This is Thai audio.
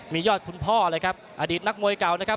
มียอดคุณพ่อเลยครับอดีตนักมวยเก่านะครับ